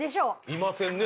いませんね